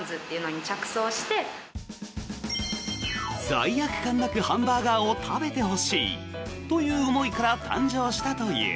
罪悪感なくハンバーガーを食べてほしいという思いから誕生したという。